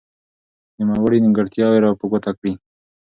چې نوموړي نيمګړتياوي را په ګوته کړي.